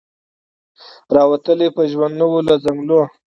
را وتلی په ژوند نه وو له ځنګلونو